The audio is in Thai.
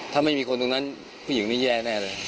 ถ้าไม่มีคนตรงนั้นผู้หญิงนี้แย่แน่เลย